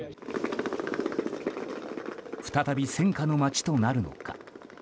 再び、戦火の街となるのか。